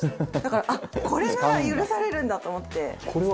だからこれなら許されるんだと思って。